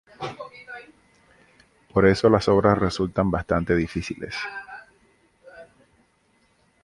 Por eso las obras resultan bastante difíciles.